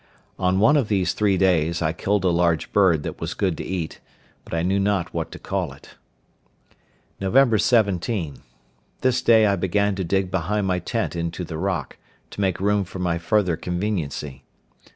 On one of these three days I killed a large bird that was good to eat, but I knew not what to call it. Nov. 17.—This day I began to dig behind my tent into the rock, to make room for my further conveniency.